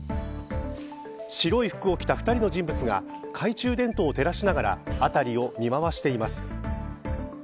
白い服を着た２人の人物が懐中電灯を照らしながら辺りを見回しています。